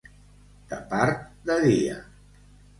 De part de dia.